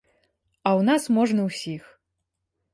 А ў нас можна ўсіх.